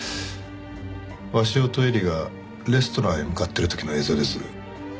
鷲尾と絵里がレストランへ向かっている時の映像です。